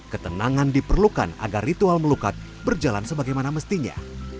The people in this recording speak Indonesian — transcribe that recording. ketenangan diperlukan agar ritual melukat berjalan sebagaimana mestinya